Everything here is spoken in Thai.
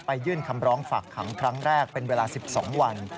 ยื่นคำร้องฝากขังครั้งแรกเป็นเวลา๑๒วัน